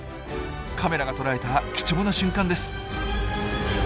カメラが捉えた貴重な瞬間です。